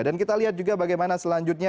dan kita lihat juga bagaimana selanjutnya